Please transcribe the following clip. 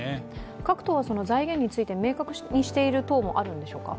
各党は財源について明確にしている党もあるんでしょうか？